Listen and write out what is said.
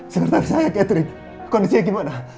sekretaris saya catherine kondisinya gimana